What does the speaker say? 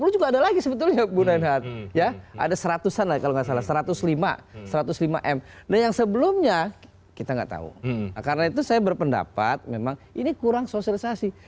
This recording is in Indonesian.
ya sudah lagi sebetulnya bung rehat ya ada seratusan lah kalau gak salah satu ratus lima satu ratus lima m dan yang sebelumnya kita enggak tahu karena itu saya berpendapat memang ini kurang sosialisasi